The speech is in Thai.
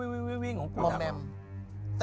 อย่างที่เรารู้ว่าทางขึ้นโค้งก็ค่อนข้างเยอะ